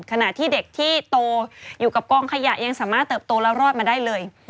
ขณะที่เด็กที่โตอยู่กับกองขยะยังสามารถเติบโตแล้วรอดมาได้เลย